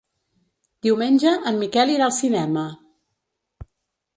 Diumenge en Miquel irà al cinema.